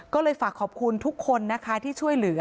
ก็เลยฝากขอบคุณทุกคนนะคะที่ช่วยเหลือ